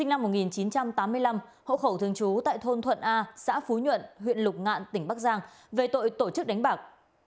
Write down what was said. lạc vinh sinh năm một nghìn chín trăm tám mươi năm hậu khẩu thường trú tại thôn thuận a xã phú nhuận huyện lục ngạn tỉnh bắc giang về tội tổ chức đánh bạc